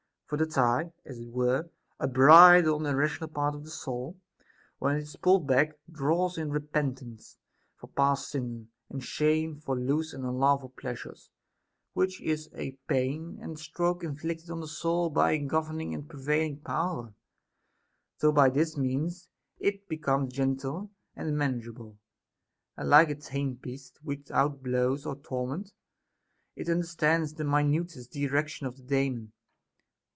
For the tie, as it were a bridle on the irrational part of the soul, when it is pulled back, draws in repentance for past sins, and shame for loose and unlawful pleasures, which is a pain and stroke inflicted on the soul by a governing and pre vailing power ; till by this means it becomes gentle and manageable, and like a tamed beast, without blows or tor ment, it understands the minutest direction of the Daemon.